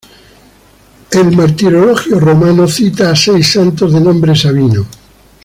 El Martirologio Romano cita a seis santos de nombre "Sabino".